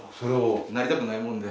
なりたくないもんで。